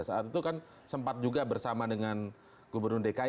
saat itu kan sempat juga bersama dengan gubernur dki